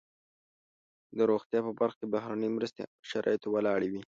د روغتیا په برخه کې بهرنۍ مرستې هم پر شرایطو ولاړې وي.